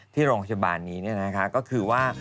ที่โรงพยาบาลนี้ก็คือว่า